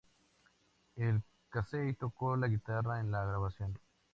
Al Casey tocó la guitarra en la grabación.